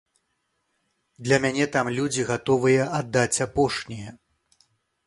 Для мяне там людзі гатовыя аддаць апошняе.